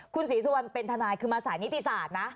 คุณศรีสุวรรณเป็นทนายคือมาสายนิติศาสตร์นะ